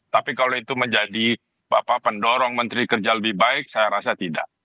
tapi kalau itu menjadi bapak pendorong menteri kerja lebih baik saya rasa tidak